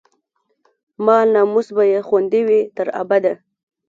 مال، ناموس به يې خوندي وي، تر ابده